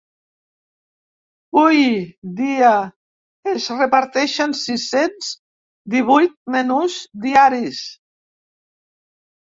Hui dia es reparteixen sis-cents divuit menús diaris.